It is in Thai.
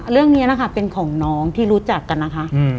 เรื่องนี้นะคะเป็นของน้องที่รู้จักกันนะคะ